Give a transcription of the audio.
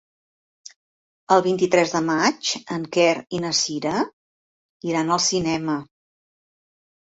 El vint-i-tres de maig en Quer i na Cira iran al cinema.